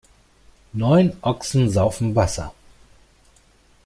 Neun Ochsen saufen Wasser.